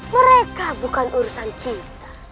mereka bukan urusan kita